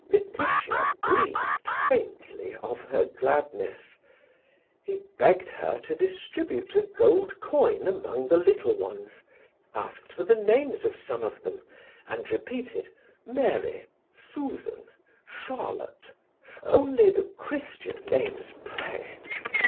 Laetitia breathed faintly of her gladness. He begged her to distribute a gold coin among the little ones; asked for the names of some of them, and repeated: "Mary, Susan, Charlotte only the Christian names, pray!